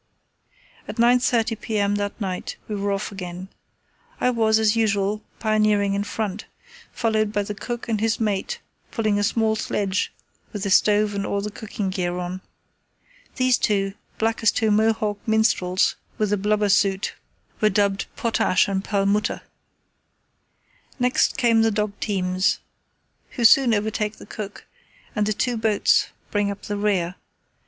At 9.30 p.m. that night we were off again. I was, as usual, pioneering in front, followed by the cook and his mate pulling a small sledge with the stove and all the cooking gear on. These two, black as two Mohawk Minstrels with the blubber soot, were dubbed "Potash and Perlmutter." Next come the dog teams, who soon overtake the cook, and the two boats bring up the rear.